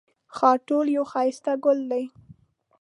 خاټول یو ښایسته ګل دی